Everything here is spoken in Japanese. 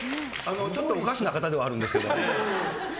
ちょっとおかしな方ではあるんですけど。